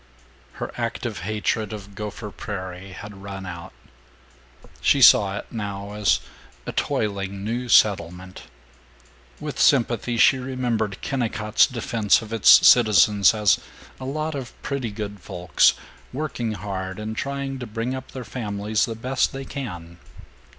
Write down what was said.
IX Her active hatred of Gopher Prairie had run out. She saw it now as a toiling new settlement. With sympathy she remembered Kennicott's defense of its citizens as "a lot of pretty good folks, working hard and trying to bring up their families the best they can."